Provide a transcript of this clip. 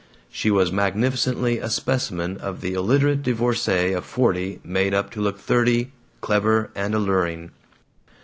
She was magnificently a specimen of the illiterate divorcee of forty made up to look thirty, clever, and alluring.